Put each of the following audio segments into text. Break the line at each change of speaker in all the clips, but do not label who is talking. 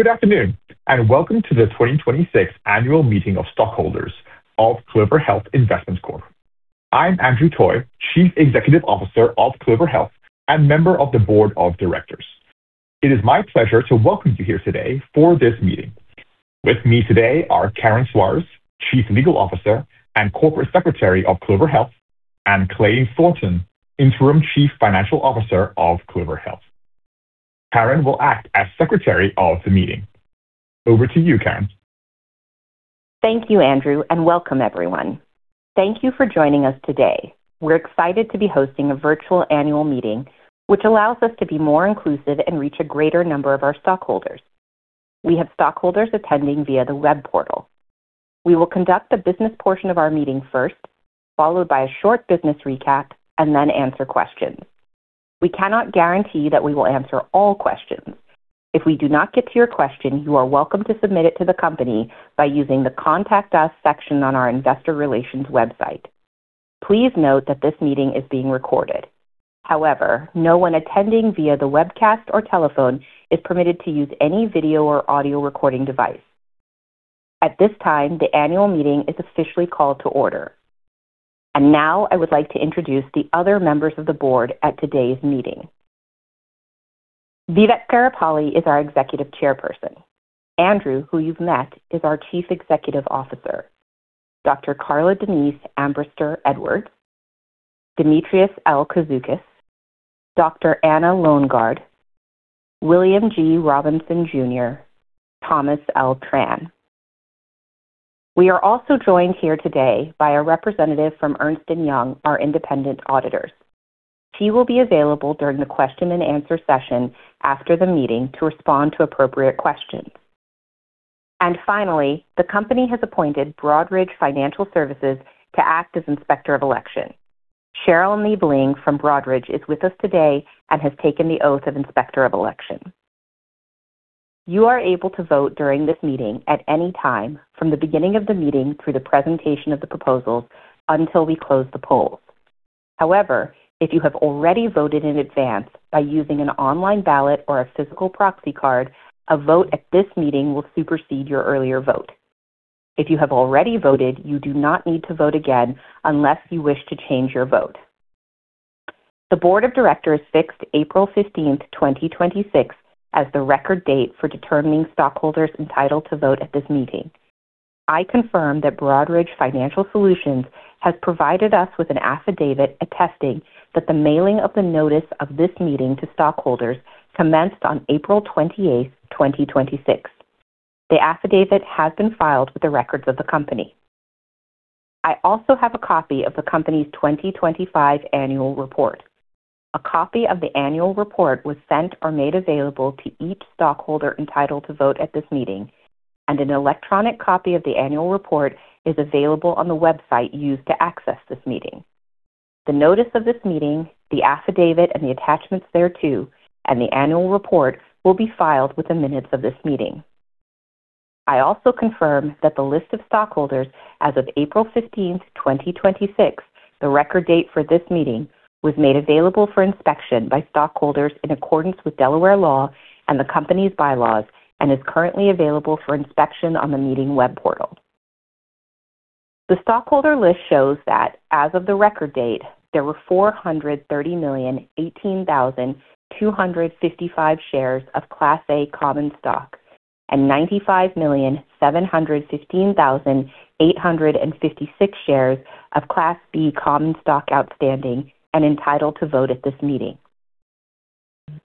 Welcome to the 2026 Annual Meeting of Stockholders of Clover Health Investments, Corp. I'm Andrew Toy, Chief Executive Officer of Clover Health and member of the Board of Directors. It is my pleasure to welcome you here today for this meeting. With me today are Karen Soares, Chief Legal Officer and Corporate Secretary of Clover Health, and Clay Thornton, Interim Chief Financial Officer of Clover Health. Karen will act as Secretary of the meeting. Over to you, Karen.
Thank you, Andrew. Welcome everyone. Thank you for joining us today. We're excited to be hosting a virtual annual meeting, which allows us to be more inclusive and reach a greater number of our stockholders. We have stockholders attending via the web portal. We will conduct the business portion of our meeting first, followed by a short business recap, then answer questions. We cannot guarantee that we will answer all questions. If we do not get to your question, you are welcome to submit it to the company by using the Contact Us section on our investor relations website. Please note that this meeting is being recorded. No one attending via the webcast or telephone is permitted to use any video or audio recording device. At this time, the annual meeting is officially called to order. Now I would like to introduce the other members of the Board at today's meeting. Vivek Garipalli is our Executive Chairperson. Andrew, who you've met, is our Chief Executive Officer. Dr. Carladenise Armbrister Edwards, Demetrios L. Kouzoukas, Dr. Anna Loengard, William G. Robinson, Jr., Thomas L. Tran. We are also joined here today by a representative from Ernst & Young, our independent auditors. She will be available during the question-and-answer session after the meeting to respond to appropriate questions. Finally, the company has appointed Broadridge Financial Solutions to act as Inspector of Election. Sheryl Niebling from Broadridge is with us today and has taken the oath of Inspector of Election. You are able to vote during this meeting at any time from the beginning of the meeting through the presentation of the proposals until we close the polls. If you have already voted in advance by using an online ballot or a physical proxy card, a vote at this meeting will supersede your earlier vote. If you have already voted, you do not need to vote again unless you wish to change your vote. The Board of Directors fixed April 15th, 2026, as the record date for determining stockholders entitled to vote at this meeting. I confirm that Broadridge Financial Solutions has provided us with an affidavit attesting that the mailing of the notice of this meeting to stockholders commenced on April 28th, 2026. The affidavit has been filed with the records of the company. I also have a copy of the company's 2025 annual report. A copy of the annual report was sent or made available to each stockholder entitled to vote at this meeting, and an electronic copy of the annual report is available on the website used to access this meeting. The notice of this meeting, the affidavit, and the attachments thereto, and the annual report will be filed with the minutes of this meeting. I also confirm that the list of stockholders as of April 15th, 2026, the record date for this meeting, was made available for inspection by stockholders in accordance with Delaware law and the company's bylaws and is currently available for inspection on the meeting web portal. The stockholder list shows that as of the record date, there were 430,018,255 shares of Class A common stock and 95,715,856 shares of Class B common stock outstanding and entitled to vote at this meeting.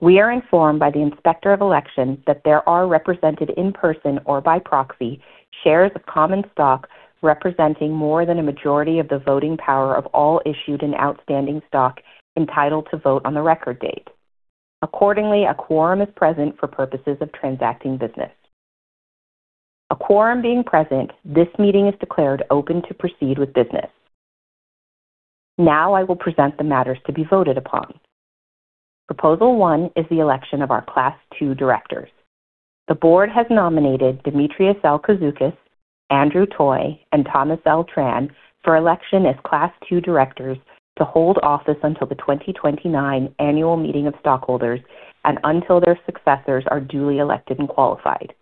We are informed by the Inspector of Elections that there are represented in person or by proxy shares of common stock representing more than a majority of the voting power of all issued and outstanding stock entitled to vote on the record date. Accordingly, a quorum is present for purposes of transacting business. A quorum being present, this meeting is declared open to proceed with business. Now I will present the matters to be voted upon. Proposal 1 is the election of our Class 2 Directors. The Board has nominated Demetrios Kouzoukas, Andrew Toy, and Thomas L. Tran for election as Class 2 Directors to hold office until the 2029 Annual Meeting of Stockholders and until their successors are duly elected and qualified.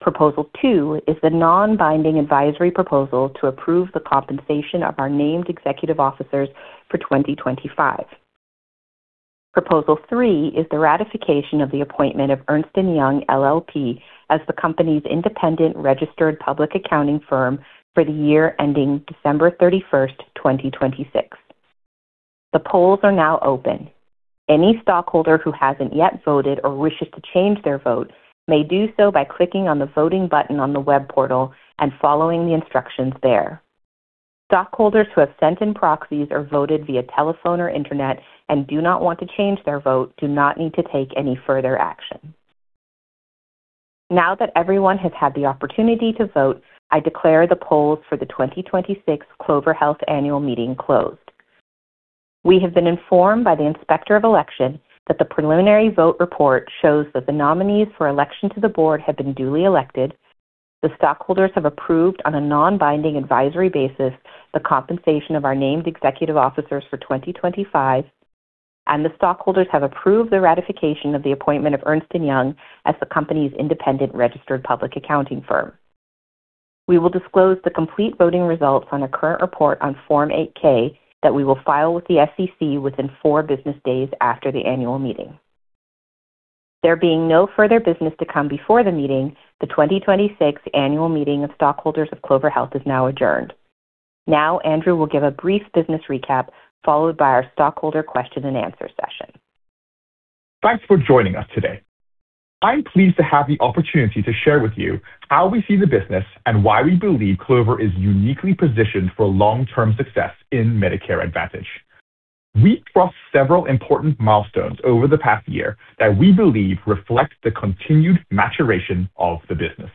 Proposal 2 is the non-binding advisory proposal to approve the compensation of our named Executive Officers for 2025. Proposal 3 is the ratification of the appointment of Ernst & Young LLP as the company's independent registered public accounting firm for the year ending December 31st, 2026. The polls are now open. Any stockholder who hasn't yet voted or wishes to change their vote may do so by clicking on the voting button on the web portal and following the instructions there. Stockholders who have sent in proxies or voted via telephone or internet and do not want to change their vote do not need to take any further action. Now that everyone has had the opportunity to vote, I declare the polls for the 2026 Clover Health Annual Meeting closed. We have been informed by the Inspector of Election that the preliminary vote report shows that the nominees for election to the Board have been duly elected. The stockholders have approved on a non-binding advisory basis the compensation of our named Executive Officers for 2025. The stockholders have approved the ratification of the appointment of Ernst & Young as the company's independent registered public accounting firm. We will disclose the complete voting results on a current report on Form 8-K that we will file with the SEC within four business days after the annual meeting. There being no further business to come before the meeting, the 2026 Annual Meeting of Stockholders of Clover Health is now adjourned. Now Andrew will give a brief business recap, followed by our stockholder question-and-answer session.
Thanks for joining us today. I'm pleased to have the opportunity to share with you how we see the business and why we believe Clover is uniquely positioned for long-term success in Medicare Advantage. We crossed several important milestones over the past year that we believe reflect the continued maturation of the business.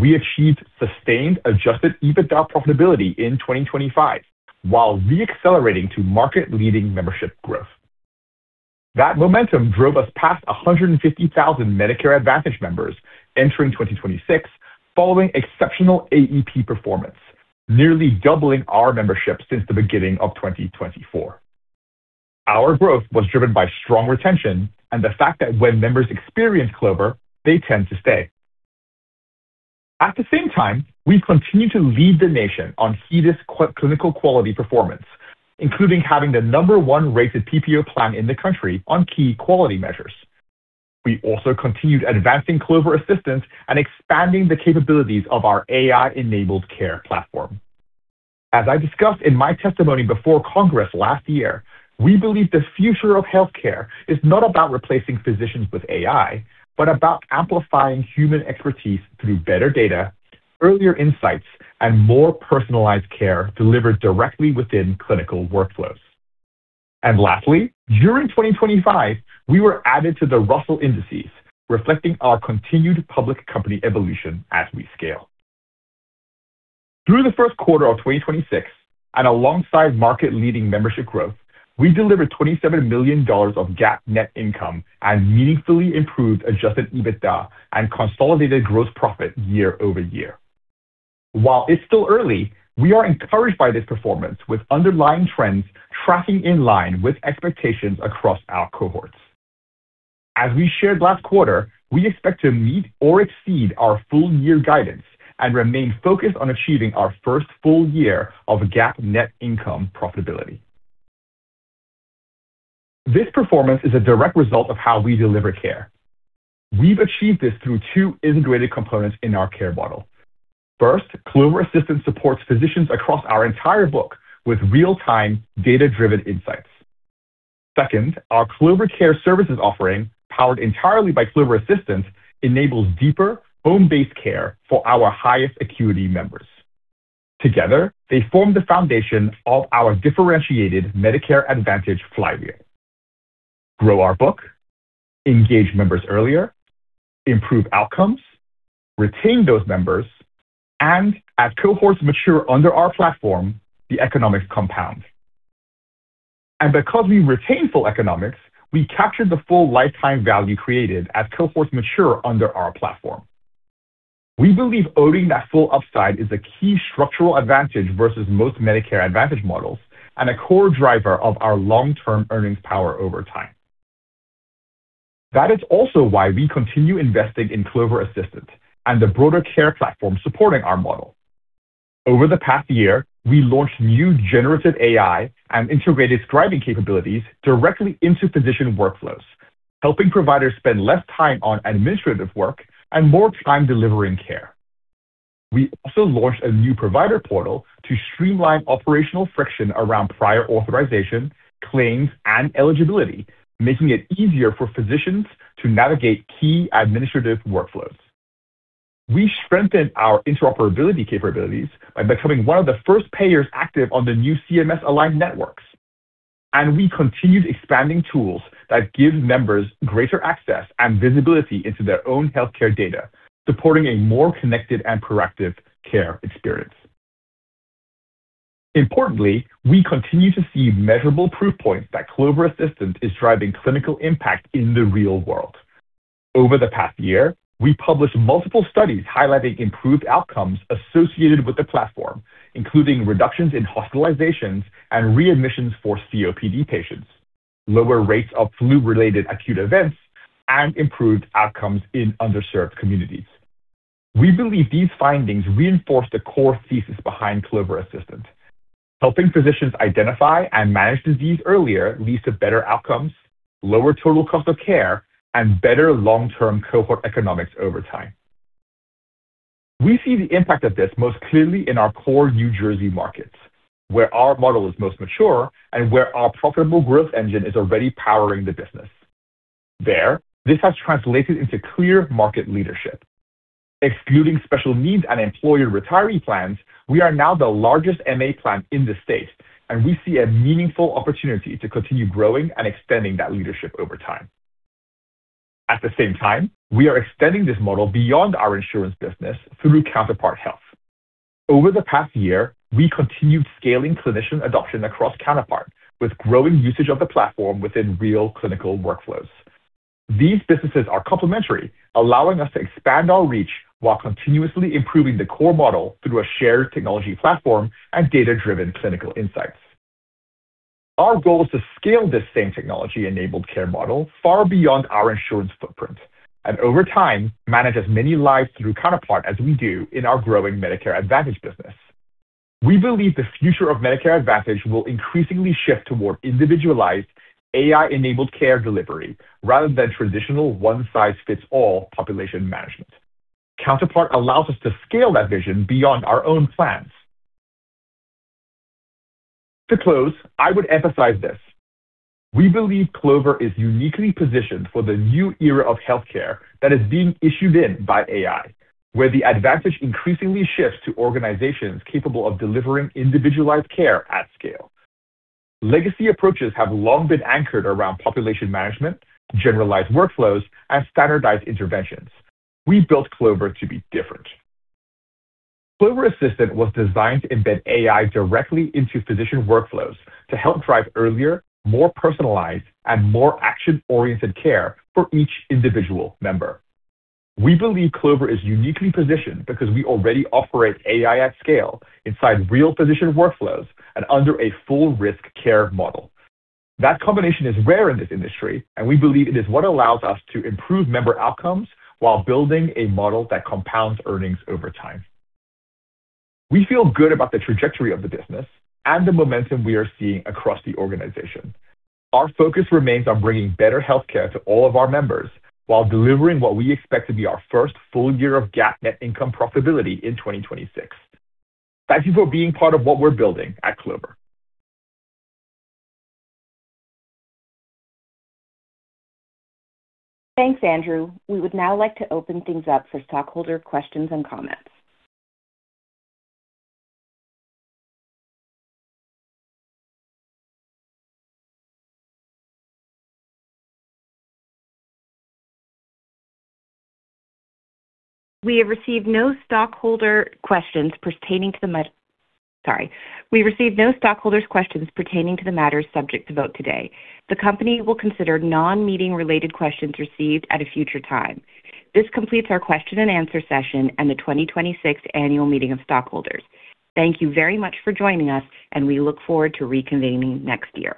We achieved sustained adjusted EBITDA profitability in 2025 while re-accelerating to market-leading membership growth. That momentum drove us past 150,000 Medicare Advantage members entering 2026 following exceptional AEP performance, nearly doubling our membership since the beginning of 2024. Our growth was driven by strong retention and the fact that when members experience Clover, they tend to stay. At the same time, we continue to lead the nation on HEDIS clinical quality performance, including having the number one rated PPO plan in the country on key quality measures. We also continued advancing Clover Assistant and expanding the capabilities of our AI-enabled care platform. As I discussed in my testimony before Congress last year, we believe the future of healthcare is not about replacing physicians with AI, but about amplifying human expertise through better data, earlier insights, and more personalized care delivered directly within clinical workflows. Lastly, during 2025, we were added to the Russell Indexes, reflecting our continued public company evolution as we scale. Through the first quarter of 2026, alongside market-leading membership growth, we delivered $27 million of GAAP net income and meaningfully improved adjusted EBITDA and consolidated gross profit year-over-year. While it's still early, we are encouraged by this performance with underlying trends tracking in line with expectations across our cohorts. As we shared last quarter, we expect to meet or exceed our full year guidance and remain focused on achieving our first full year of GAAP net income profitability. This performance is a direct result of how we deliver care. We've achieved this through two integrated components in our care model. First, Clover Assistant supports physicians across our entire book with real-time, data-driven insights. Second, our Clover Care Services offering, powered entirely by Clover Assistant, enables deeper home-based care for our highest acuity members. Together, they form the foundation of our differentiated Medicare Advantage flywheel. Grow our book, engage members earlier, improve outcomes, retain those members, as cohorts mature under our platform, the economics compound. Because we retain full economics, we capture the full lifetime value created as cohorts mature under our platform. We believe owning that full upside is a key structural advantage versus most Medicare Advantage models and a core driver of our long-term earnings power over time. That is also why we continue investing in Clover Assistant and the broader care platform supporting our model. Over the past year, we launched new generative AI and integrated scribing capabilities directly into physician workflows, helping providers spend less time on administrative work and more time delivering care. We also launched a new provider portal to streamline operational friction around prior authorization, claims, and eligibility, making it easier for physicians to navigate key administrative workflows. We strengthened our interoperability capabilities by becoming one of the first payers active on the new CMS Aligned Networks. We continued expanding tools that give members greater access and visibility into their own healthcare data, supporting a more connected and proactive care experience. Importantly, we continue to see measurable proof points that Clover Assistant is driving clinical impact in the real world. Over the past year, we published multiple studies highlighting improved outcomes associated with the platform, including reductions in hospitalizations and readmissions for COPD patients, lower rates of flu-related acute events, and improved outcomes in underserved communities. We believe these findings reinforce the core thesis behind Clover Assistant. Helping physicians identify and manage disease earlier leads to better outcomes, lower total cost of care, and better long-term cohort economics over time. We see the impact of this most clearly in our core New Jersey markets, where our model is most mature and where our profitable growth engine is already powering the business. There, this has translated into clear market leadership. Excluding special needs and employer retiree plans, we are now the largest MA plan in the state. We see a meaningful opportunity to continue growing and extending that leadership over time. At the same time, we are extending this model beyond our insurance business through Counterpart Health. Over the past year, we continued scaling clinician adoption across Counterpart with growing usage of the platform within real clinical workflows. These businesses are complementary, allowing us to expand our reach while continuously improving the core model through a shared technology platform and data-driven clinical insights. Our goal is to scale this same technology-enabled care model far beyond our insurance footprint, over time, manage as many lives through Counterpart as we do in our growing Medicare Advantage business. We believe the future of Medicare Advantage will increasingly shift toward individualized AI-enabled care delivery rather than traditional one-size-fits-all population management. Counterpart allows us to scale that vision beyond our own plans. To close, I would emphasize this. We believe Clover is uniquely positioned for the new era of healthcare that is being issued in by AI, where the advantage increasingly shifts to organizations capable of delivering individualized care at scale. Legacy approaches have long been anchored around population management, generalized workflows, and standardized interventions. We built Clover to be different. Clover Assistant was designed to embed AI directly into physician workflows to help drive earlier, more personalized, and more action-oriented care for each individual member. We believe Clover is uniquely positioned because we already operate AI at scale inside real physician workflows and under a full risk care model. We believe it is what allows us to improve member outcomes while building a model that compounds earnings over time. We feel good about the trajectory of the business and the momentum we are seeing across the organization. Our focus remains on bringing better healthcare to all of our members while delivering what we expect to be our first full year of GAAP net income profitability in 2026. Thank you for being part of what we're building at Clover.
Thanks, Andrew. We would now like to open things up for stockholder questions and comments. We received no stockholders' questions pertaining to the matters subject to vote today. The company will consider non-meeting related questions received at a future time. This completes our question and answer session and the 2026 annual meeting of stockholders. Thank you very much for joining us, and we look forward to reconvening next year.